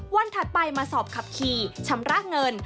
ถัดไปมาสอบขับขี่ชำระเงิน